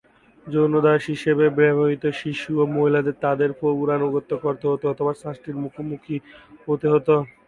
যৌন দাস হিসেবে ব্যবহৃত শিশু ও মহিলাদের তাদের প্রভুর আনুগত্য করতে হত অথবা শাস্তির মুখোমুখি হতে হত।